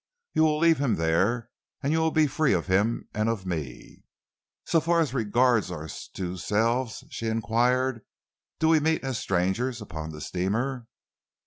You will leave him there, and you will be free of him and of me." "So far as regards our two selves," she enquired, "do we meet as strangers upon the steamer?"